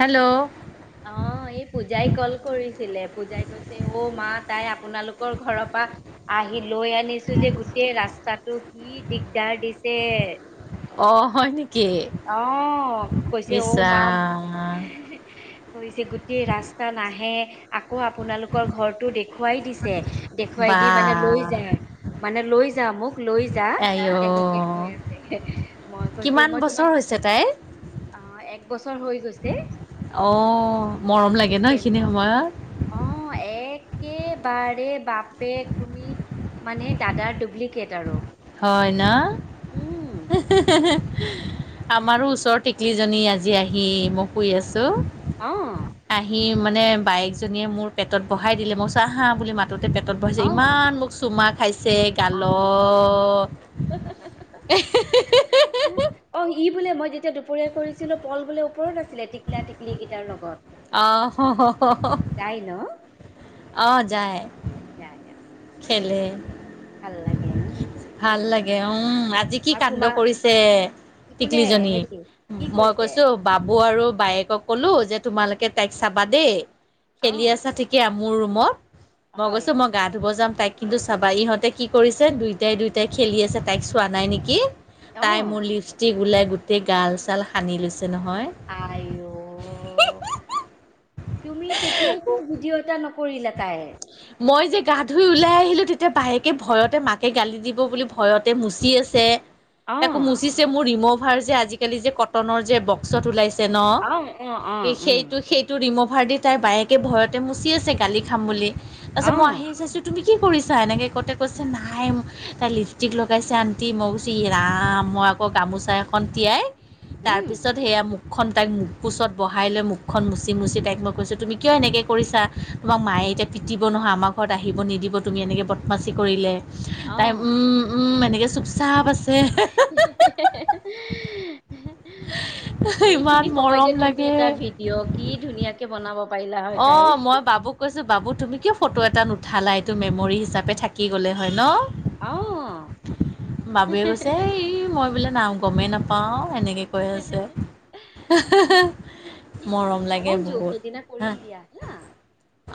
Hello অ', এই পূজাই কল কৰিছিলে পূজাই ক- ছে, অ' মা তাই আপোনালোকৰ ঘৰৰ পা আহি লৈ আনিছো যে গোটেই ৰাস্তাটো কি দিগদাৰ দিছে অ', হয় নি? আহ, কৈছে অ মাঁ। ৰাম কৰিছে, গোটেই ৰাস্তা নাহে আকৌ আপোনালোক- কৰ ঘৰটো দেখুৱাই দিছে, দেখুৱাই বা দি মানে লৈ যায় মানে লৈ যা মোক লৈ যা আইঅ তেনেকে কৈ আছে মই কৈছোৱে মই তোমাক চে তাই অ, এক বছৰ হৈ গৈছে, অ মৰম লাগে ন এইখিনি ডিচেম্বৰ সময়ত অ', একেবাৰে বাপেক তুমি মানে দাদাৰ ডুপ্লিকেট আৰু হয় ন', উম, আমাৰো ওচৰত টিকলিজনী আজি আহি মই শুই আছোঁ অঁ আহি মানে বাইেকজনীয়ে মোৰ পেটত বহাই দিলে, মই কৈছো আহা বুলি মা- ততে পেটত বহাইছে অ', ইমান মোক চুমা খাইছে আইও গালত [unintelligible] অ', সি বোলে মই যেতিয়া দুপৰীয়া কৰিছিলো পল বোলে ওপৰত আছিলে টিকলা টিকলি কেইটাৰ লগত। আহ যায় ন? অ', যায়। যায় যায়, খেলে ভাল লাগে ওম ভাল লাগে, উম আজি কি কাণ্ড কৰিছে কোনে টিকলিজনী, হেৰি কি মই কৰিছে কৈছো বাবু আৰু বায়েকক ক'লো যে তোমালোকে তাইক চাবা দেই, খেলি অ', আছা ঠিক- কিয়া মোৰ ৰুমত, মই হয় গৈছো মই- গা ধুব যাম তাইক কিন্তু চাবা ইহঁতে কি কৰিছে দুইটাই দুইটাই খেলি আছে তাইক চোৱা নাই নেকি? তাই মোৰ অ', লিপষ্টিক ওলাই গোটেই গাল চাল সানি লৈছে নহয় আই অ, তুমি তেতিয়াই কিয় ভিডিঅ' এটা নক- কৰিলে তাই মই যে গা ধুই ওলাই আহিলো তেতিয়া বাহেকে ভয়তে মাকে গালি দিব বুলি ভ ভয়তে মচি আছে তাকো অ', মুচিছে মোৰ ৰিম'ভাৰ যে আজিকালি যে কটনৰ যে ওচৰত ওলাই ন' সেইটো সেইট টো ৰিম'ভাৰ দি তাই বায়েকে ভয়তে মুচি আছে গালি খাম বুলি তাৰপিছত মই আহি চাইছোঁ। তুমি কি কৰিছা এনেকে কওঁঁতে কৈছে নাই তাই লিপষ্টিক লগাইছে আণ্টি মই কৈছোঁ ইৰাম মই আকৌ গামোচা এখন তিয়াই তাৰপিছত সেয়া মু মুখখন তাইক মো কোচত বহাই লৈ মুখখন মুচি মুচি তাইক মই কৈছোঁ তুমি কিয় এনেকৈ কৰিছা। তোমাক মায়ে এতিয়া পিটিব নহয় আমাৰ ঘৰত আহিব নিদিব তুমি এনেকৈ বদমাচি কৰিলে। তাই উম উম এনেকে চুপ চাপ আছ [inaudible] ইমান এইখিনি মৰম সময়তে তুমি এটা লাগে ভিড ভিডিঅ' কি ধুনীয়াকে বনাব পাৰিলা হয় তাইৰ কৈছোঁ বাবু তুমি কিয় ফটো এটা নুঠালা এইটো মেমৰি হিচাপে থাকি গ'লে হয় ন অ'। বাবে কৈছে এই মই বোলে নাও গমেই নাপ পাওঁ এনেকে কৈ আছে মৰম লাগে অঞ্জু বহুত সেইদিনা হা কৰিম দিয়া ন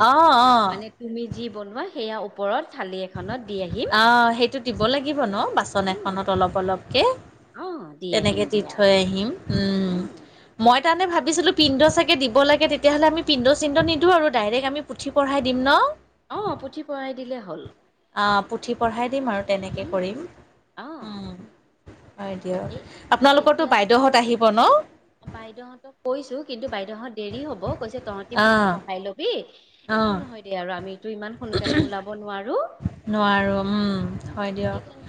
অ' আ অ' মানে তুমি যি বনোৱা সেয়া ওপৰত থালি এখনত দি আহিম অ', সেইটো দিব লাগিব ন বাচ বাচন অ'। এখনত অলপ অলপকে অ', দি আহিম তেনেকে দি দিয়া। থৈ আহিম উম মই তাৰমানে ভাবিছিলোঁ পিণ্ড চাগ দিব লাগে তেতিয়াহ'লে আমি পিণ্ড চিণ্ডদিওঁ আৰু ডাইৰেক্ট আমি পুথি পঢ়াই দিম ন অ', পুথি পঢ়াই দিলেই হ'ল। পুথি পঢ়াই দিম আৰু তেনেকে উম। কৰিম। অ', হয় এই দিয়ক আপোনালোকতো বাইদেউহত আহিব ন বাইদউহঁতক কৈছো কিন্তু বাইদেউহঁত দেৰি হব কৈছে তহঁতি পুঠি অ', পঢ়াই লবি একো অ', নহয় দিয়া আৰু আমিতো ইমান সোনকালে ওলাব নোৱাৰো। নোৱাৰো। উম, হয় দিয়ক। সেইকাৰণ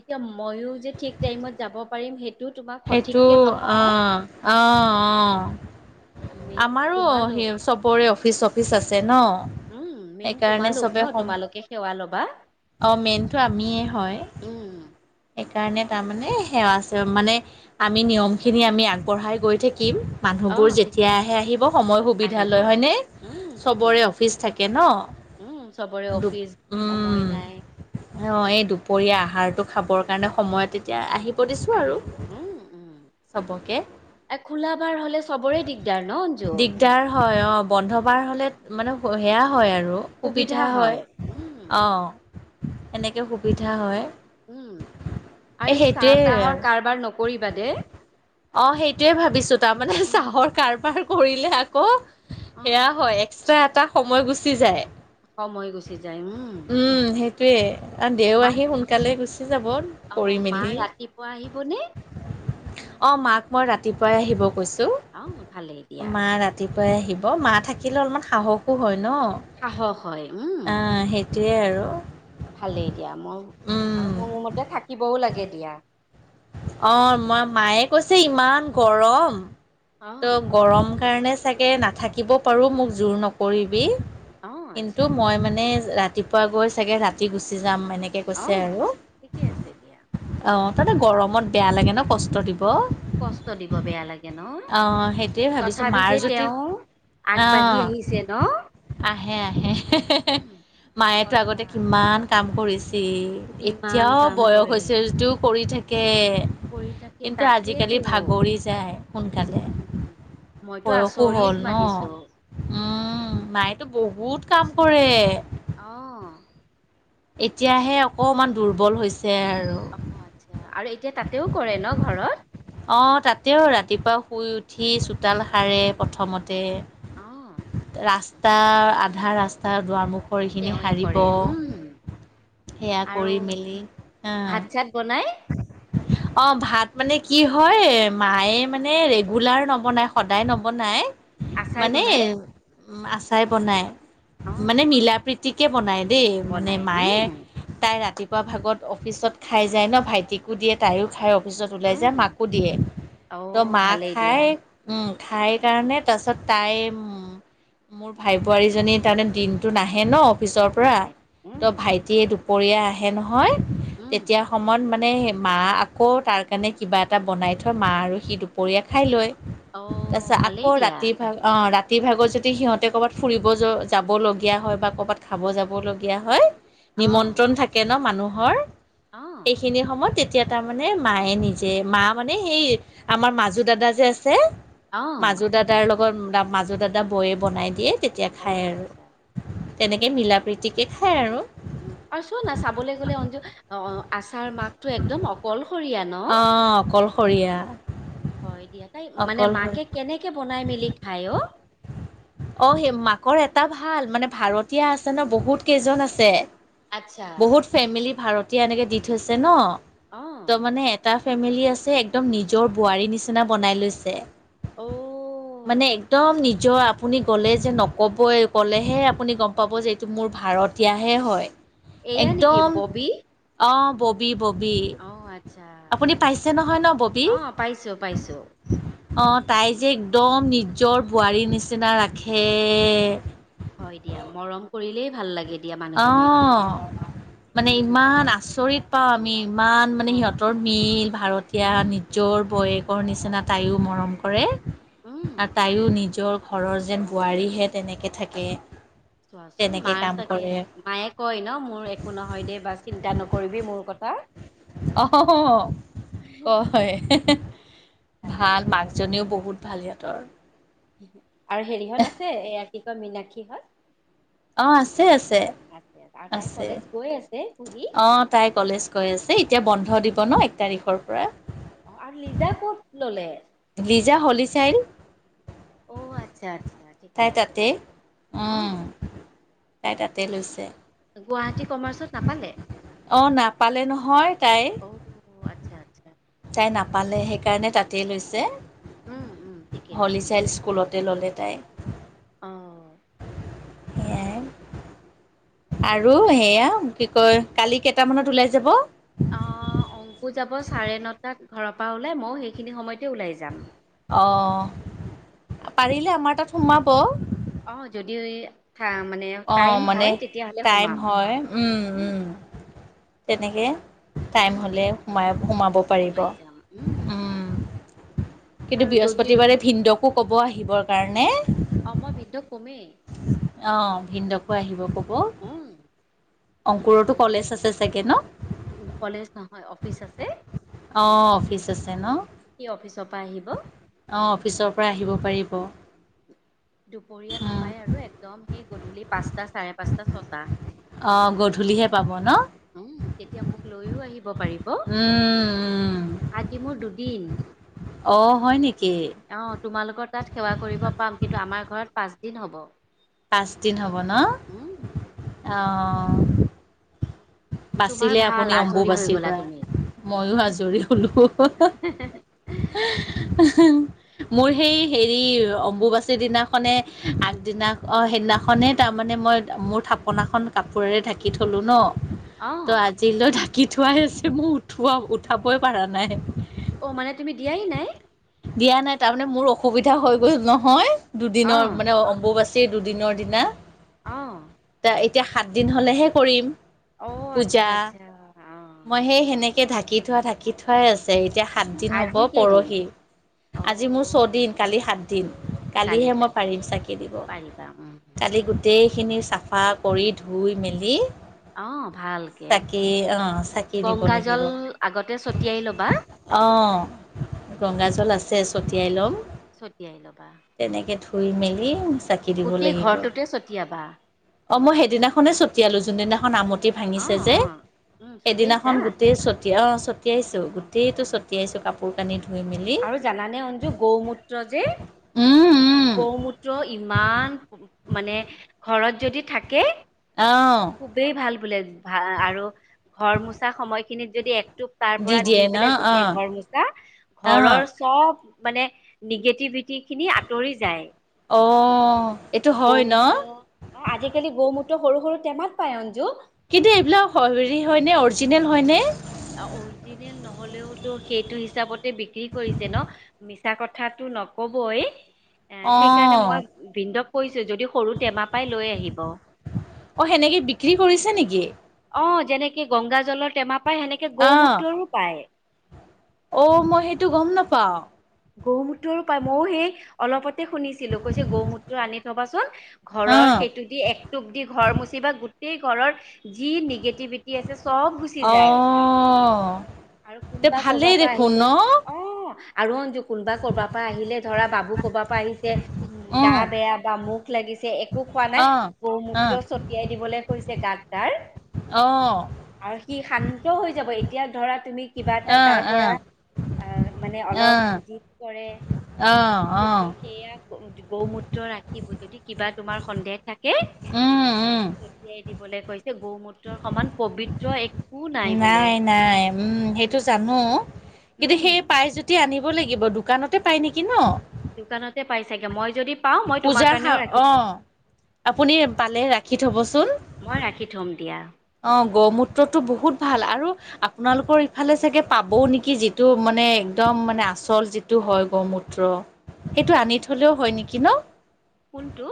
এতিয়া ময়ো যে ঠিক টাইমত যাব পাৰিম সেই টো তোমাক সেইটো সঠিক কে নকওঁ। অ', অ', মেইন আমাৰো তোমালোক সেই চব অৰে অফিচ চফিচ আছে ন উম মেইন সেইকাৰণে তোমালোক ন চবে সম তোমালোকে সেৱা ল'বা অ', মেইনটো আমিয়ে হয়। উম সেইকাৰণে তাৰমানে সেৱা আছে মানে আমি নিয়মখিনি আমি আগবঢ়াই গৈ থাকিম। অ মানুহবোৰ যেতিয়া ঠিকেই আহে আহিব সময় সুবিধা আহিব লয় হয়নে? উম চবৰে ঠিকেই অফিচ থাকে ন উম চবৰে অফিচ, সময় নাই। অ' এই দুপৰীয়া আহাৰটো খাবৰ কাৰণে সময়ত এতিয়া আহিব দিছো আৰু। উম-উম চবকে এ খোলা বাৰ হলে চবৰে দিগদাৰ ন অঞ্জু? দিগদাৰ হয় অ' বন্ধ বাৰ হ'লে মানে সেয়া হয় আৰু। সুবিধা হয় অ' এনেকে সুবিধা হয়। উম, আৰু এই চাহ তাহৰ কাৰবাৰ নক অ সেইটোয়ে ভাবিছো তাৰমানে উম চাহৰ কাৰবাৰ কৰিলে আকৌ, অ সেয়া হয় এক্সট্ৰা এটা সময় গুচি যায়। সময় গুচি যায় উম। উম, সেইটোৱেই আৰু দেও মাক আহি সোনকালে গুচি যাব। অ' কৰি মাঁ মেলি ৰাতিপুৱা আহিবনে? অ' মাক মই ৰাতিপুৱাই আহিব কৈছোঁ। অ' ভালেই দিয়া। মা ৰাতিপুৱাই আহিব, মাঁ থাকিলে অলপমান সাহসো হয় ন'। সাহস হয় উম অ' সেইটোৱে আৰু। ভালেই দিয়া মই, উম আৰু মোৰ মতে থাকিবও লাগে দিয়া। অ' ম-মই মায়ে কৈছে ইমান গৰম, অ ত' গৰম কাৰণে চাগে নাথাকিব পাৰোঁ মোক জোৰ নকৰিবি, অ কিন্তু আচ্ছা মই মানে ৰা ৰাতিপুৱা গৈ চাগে ৰাতি গুচি যাম এনেকে অ কৈছে আৰু, ঠিকে আছে দিয়া অ' তাত গৰমত বেয়া লাগে ন' কষ্ট দিব। কষ্ট দিব বেয়া লাগে ন' অ সেইটোৱে ভাবিছো তথাপি মাৰ যে যদি তেওঁ অ আগবাঢ়ি আহিছে ন'। আহে আহে উম মায়েতো সঁচা আগতে কিমান কাম কৰিছিল, কিমান এতিয়াও কাম বয়স কৰে হৈছে যদিও কৰি থাকে। কৰি থাকে কিন্তু তাকেইতো আজিকালি ভাগৰি যায় সোনকালে। উম, উম। মইতো বয়সো আচৰিত হ'ল ন'। মানিছো উম, মায়েটো বহুত কাম কৰে। অ'। এতিয়াহে অকমান দুৰ্বল হৈছে আৰু। অ' আচ্ছা আৰু এতিয়া তাতেও কৰে ন' ঘৰত? অ' তাতেও ৰাতিপুৱা শুই উঠি চোতাল সাৰে প্ৰথমতে। অ'। ৰাস্তা আধা ৰাস্তাৰ দুৱাৰ মুখৰ খিনি তেওঁৱে সাৰিব। কৰে উম, সেয়া আৰু কৰি মেলি অ' ভাত চাত বনাই। অ' ভাত মানে কি হয় মায়ে মানে ৰেগুলাৰ নবনায় সদায় নবনায়। আচাই মানে বনাই? উম, আচাই বনাই, অ', মানে মিলা প্ৰীতি টিকে বনায় দেই, মানে বনাই মায়ে উম, তাই ৰাতিপুৱা ভাগত অফিচত খাই যায় ন' ভাইটিকো দিয়ে, তাইয়ো খায় অফিচত ওলাই উম, যায় মাকো দিয়ে, ত' অ', মাঁ ভালেই দিয়া খাই উম, খাই কাৰণে তাৰ পিছত তাইৰ উম মোৰ ভাই বোৱাৰীজনীৰ তাৰমানে দিনটো নাহে ন' অফিচৰ পৰা, নাহে উম, ত' ভাইটিয়ে দুপৰীয়া আহে নহয়, উম, তেতিয়া সময়ত [unintelligible] মাঁ আকৌ তাৰ কাৰণে কিবা এটা বনাই থয়, মাঁ আৰু সি দুপৰীয়া খাই লয়। অ', তাৰপিছত ভালেই আকৌ দিয়া ৰাতি ভাগ অ' ৰাতিৰ ভাগত যদি সিহঁতে ক'ৰবাত ফুৰিব য-যাবলগীয়া হয় বা ক'ৰবাত খাব যাবলগীয়া হয়, অ', নিমন্ত্ৰণ থাকে ন' মানুহৰ। অ'। এইখিনি সময়ত তেতিয়া তাৰমানে মায়ে নিজে মাঁ মানে সেই আমাৰ মাজু দাদা যে আছে। অ', মাজু দাদাৰ লগত দা মাজু দাদা বৈয়ে বনাই দিয়ে তেতিয়া খায় অ', আচ্ছা। আৰু। তেনেকে মিলা প্ৰীতিকে খায় আৰু। উম, আৰু চোৱা না চাবলৈ গ'লে অঞ্জু অ' আছাৰ মাকটো একদম অকলশৰীয়া। ন? অ অকলশৰীয়া হয় দিয়া তাই মানে মাকে অকলশৰীয়া কেনেকে বনাই মেলি খায় অ অ সেই মাকৰ এটা ভাল মানে ভাড়াতীয়া আছে ন বহুত কেইজন আছে আচ্ছা বহুত ফেমিলি ভাড়তীয়া এনেকে দি থৈছে ন অ ত' মানে এটা ফেমিলি আছে একদম নিজৰ বোৱাৰীৰ নিচিনা বনাই লৈছে মানে অ', একদম নিজ নিজৰ আপুনি গ'লে যে নক'বই ক'লেহে আপুনি গম পাব যে এইটো মোৰ ভাড়তীয়াহে হয় এয়া নেকি একদম ববি অ ববি ববি অ আচ্ছা আপুনি পাইছে নহয় ন ববী অ পাইছোঁ পাইছোঁ অ তাই যে একদম নিজৰ বোৱাৰীৰ নিচিনা ৰাখে এ হয় দিয়া মৰম কৰিলেই ভাল লাগে দিয়া অ মানুহজনীক মানে ইমান আচৰিত পাওঁ আমি ইমান মানে হয় সিহঁতৰ মিল ভাড়তীয়া উম নিজৰ বৌয়েক কৰ নিচিনা তাইও মৰম কৰে উম আৰু তাইও নিজৰ ঘৰৰ যেন বোৱাৰীহে তেনেকে থাকে চোৱাচোন তেনেকে মাৰ কাম চাগে কৰে মায়ে কয় ন মোৰ একো নহয় দে বা চিন্তা নকৰিবি মোৰ কথা অ অ হ কয় হে হে ভালেই ভাল দিয়া মাকজনীও বহুত ভাল‌ সিহঁতৰ আৰু হেৰিহঁত আছে এয়া কি কয় মিনাক্ষীহঁত অ আছে আছে আছে আৰু তাই আছে কলেজ গৈ আছে কুহি অ তাই কলেজ গৈ আছে এতিয়া বন্ধ দিব ন এক তাৰিখৰ পৰা অ আৰু লিজা কত ললে লিজা হলিচাইন অ আচ্ছা আচ্ছা ঠিকে তাই আছে তাতে দিয়া অ উম তাই তাতে লৈছে গুৱাহাটী কমাৰ্চত নাপালে অ নাপালে নহয় তাই অ আচ্ছা আচ্ছা তাই নাপালে সেইকাৰণে তাতেই লৈছে উম উম ঠিকে আছে হলিচাইল্ড স্কুলতে ল'লে তাই অ সেইয়াই আৰু সেয়া কি কয় কালি কেইটামানত ওলাই যাব অ অংকু যাব চাৰে নটাত ঘৰৰ পৰা ওলাই মই সেইখিনি সময়তে ওলাই যাম অ পাৰিলে আমাৰ তাত সোমাব অ যদি থা মানে অ টাইম মানে হয় তেতিয়াহ'লে টাইম সোমাম হয় উম উম তেনেকে টাইম উম হ'লে সোমাই সোমাব পাৰিব সোমাই যাম উম কিন্তু আৰু যদি বৃহস্পতিবাৰে ভিনদেউকো কব আহিবৰ কাৰণে অ মই ভিনদেউক কমে অ ভিনদেউকো আহিব কব উম অংকুৰতো কলেজ আছে চাগে ন কলেজ নহয় অফিচ আছে অ', অফিচ আছে ন। সি অফিচৰ পৰা আহিব। অঁ অফিচৰ পৰা আহিব পাৰিব। দুপৰীয়া নাপায় আৰু একদম সেই গধূলি পাঁচটা চাৰে পাঁচটা ছটা অঁ গধূলিহে পাব ন। উম, তেতিয়া মোক লৈও আহিব পাৰিব। আজি মোৰ দুদিন। অঁ হয় নেকি অ', তোমালোকৰ তাত সেৱা কৰিব পাম। কিন্তু আমাৰ ঘৰত পাঁচদিন হ'ব। পাঁচদিন হ'ব ন, উম, অঁ তোমাৰ বাচিলে ভাল আপুনি আজৰি হৈ অম্বুবাচীৰ গ'লা পৰা! তুমি। মইও আজৰি হলোঁ ওহোঁ ওহোঁ ওহোঁ আহ [inaudible] মোৰ সেই হেৰি, অম্বুবাচীৰ দিনাখনে আগদিনা অ সেইদিনাখনে তাৰমানে মই মোৰ থাপনাখন কাপোৰেৰে ঢাকি থলোঁ ন অ, - তো আজিলৈ ঢাকি থোৱাই আছে। মোৰ উঠোৱা উঠাবই পৰা নাই। অ, মানে তুমি দিয়াই নাই। দিয়া নাই, তাৰমানে মোৰ অসুবিধা হৈ গ'ল নহয়। দুদিনৰ অ', মানে অম্বু বাছি সেই দুদিনৰ দিনা অঁ তে এতিয়া সাত দিন হলেহে কৰিম। অ আচ্ছা, পূজা আচ্ছা অ এই ঢাকি থোৱা, ঢাকি থোৱাই আছে, এতিয়া সাতদিন হ'ব আজি কেইদিন? পৰহি আজি মোৰ অ', ছয়দিন, কালি সাত দিম, কালি কালিহে মই কালি পাৰিম চাগে দিব। পাৰিবা উম। কালি [unintelligible] টেইখিনি চাফা কৰি ধুই মেলি অ' ভালকে, চাকি অ চাকি দিব গংগাজল আগতে ছটিয়াই ল'বা। অহ গংগাজল আছে ছটিয়াই ল'ম, ছটিয়াই লবা। তেনেকৈ ধুই-মেলি চাকি দিব গোটেই লাগিব। ঘৰটোতে ছটিয়াবা। অ', মই সেইদিনাখনেই ছটিয়ালোঁ। যোন দিনাখন আমঠি ভাঙিছে অ', যে। অ', উম, এদিনাখন ছটিয়াইছা? গোটেই ছটিয়াই অ ছটিয়াইছো, অ'। গোটেইটো ছটিয়াইছো কাপোৰ কানি ধুই মেলি। আৰু জানানে অঞ্জু গৌমূত্ৰ যে উম উম গৌমূত্ৰ ইমান, মানে ঘৰত যদি থাকে অ খুবেই ভাল বোলে। ভা, আ, আ আৰু ঘৰ মোচা সময়খিনিত যদি এক তাৰ পৰা দি দিয়ে ন পেলাই অ গোটেই ঘৰ মুচা, অ ঘৰৰ চব মানে নিগেটিভিট যি খিনি আঁতৰি যায়। অ এইটো হয় ন গৌমূত্ৰ অ আজি কালি গৌমূত্ৰ সৰু, সৰু টেমাত পায় অঞ্জু। কিন্তু এইবিলাক হৰি হয়নে অৰজিনেল হয়নে। অৰিজিনেল নহলেও টো সেইটো হিচাপতে বিক্ৰী কৰিছে ন। মিছা কথাটো নকবই এ অ সেইকাৰণে মই ভিন্দক কৈছোঁৱে যদি সৰু টেমা পাই লৈ আহিব। অ সেনেকে বিক্ৰী কৰিছে নেকি। অ যেনেকে গংগা জলৰ টেমা পায়। সেনেকে গৌ অ মূত্ৰৰো পায়। অ মই সেইটো গম নাপাও। গৌমূত্ৰৰো পায়। মইয়ো সেই অলপতে শুনিছিলো, কৈছে গৌ মূত্ৰ আনি থবাচোন। অ ঘৰৰ সেইটো দি, এক টোপ দি ঘৰ মচি বা, গোটেই ঘৰৰ যি নিগেটিভিটি কি আছে চব গুচি অ যায়। আৰু তে কোনবা ভালেই কৰবাৰ পৰা দেখোন আহিলে‌ ন অ আৰু অঞ্জু কোনোবা কৰবাৰ পৰা আহিলে, ধৰা বাবু কৰবাৰ পৰা আহিছে। উম গা বেয়া বা, মুখ লাগিছে, একো খোৱা নাই। গৌমূত্ৰ ছটিয়াই দিবলৈ কৈছে, গাত তাৰ। অ'। আৰু সি শান্ত হৈ যাব। এইত এতিয়া ধৰা তুমি কিবা এটা তাৰ পৰা অ', মানে অলপ জিত কৰে, কিন্তু সেইয়া গৌমূত্ৰ ৰাতি যদি কিবা তোমাৰ সন্দেহ থাকে। উম, উম। চতিয়াই দিবলৈ কৈছে গ গৌমূত্ৰ। বোলে নাই নাই, উম, সেইটো জানো? কিন্তু উম সেই পাই যদি আনিব লাগিব। দোকানতে পাই নেকি ন'? দোকানতে পাই চাগে, মই যদি পাওঁ মই তোমাৰ পূজাৰ সা কাৰণেও ৰাখি থম অ', আপুনি পালে ৰাখি থবচোন। মই ৰাখি থ'ম দিয়া। অ', গৌ মূত্ৰটো বহুত ভাল, আৰু আপোনালোকৰ ইফালে চাগে পাবও নেকি! যিটো মানে এক্দম মানে আচল যি টো হয় গৌমূত্ৰ, সেইটো আনি থলেও হয় নেকি ন'? কোনটো?